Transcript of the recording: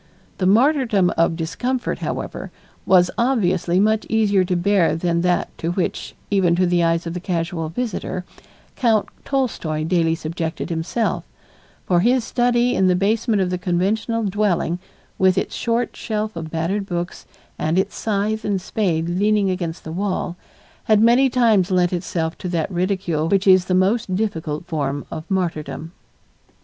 The martyrdom of discomfort, however, was obviously much easier to bear than that to which, even to the eyes of the casual visitor, Count Tolstoy daily subjected himself, for his study in the basement of the conventional dwelling, with its short shelf of battered books and its scythe and spade leaning against the wall, had many times lent itself to that ridicule which is the most difficult form of martyrdom.